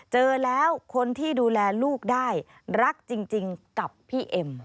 เจอแล้วคนที่ดูแลลูกได้รักจริงกับพี่เอ็ม